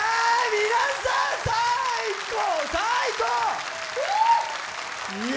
皆さん、最高、最高！